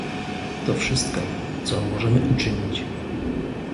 To wszystko, co możemy uczynić